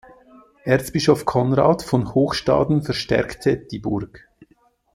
Erzbischof Konrad von Hochstaden verstärkte die Burg.